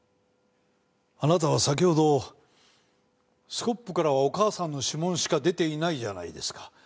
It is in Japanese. あなたは先ほど「スコップからはお義母さんの指紋しか出ていないじゃないですか」。